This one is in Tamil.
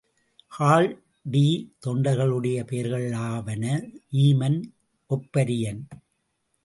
கால்ட்டீ தொண்டர்களுடைய பெயர்களாவன ஈமன் ஓப்ரியன்.